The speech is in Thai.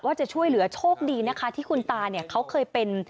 จะช่วยเหลือโชคดีนะคะที่คุณตาเนี่ยเขาเคยเป็น